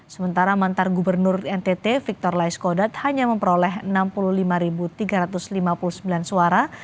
sementara mantan gubernur ntt victor laiskodat hanya memperoleh enam puluh lima tiga ratus lima puluh sembilan suara